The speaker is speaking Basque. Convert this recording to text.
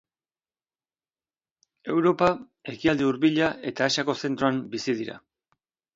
Europa, Ekialde Hurbila eta Asiako zentroan bizi dira.